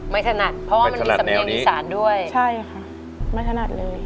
ถนัดเพราะว่ามันมีสำเนียงอีสานด้วยใช่ค่ะไม่ถนัดเลย